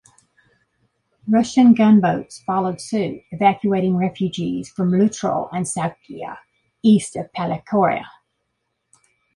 Russian gunboats followed suit, evacuating refugees from Loutro and Sougia, east of Paleochora.